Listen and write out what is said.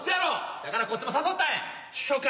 だからこっちも誘ったんや。